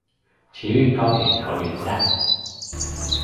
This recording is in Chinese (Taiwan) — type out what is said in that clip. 捷運高鐵桃園站